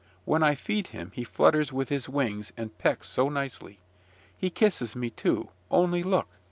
When I feed him, he flutters with his wings, and pecks so nicely. He kisses me, too, only look!"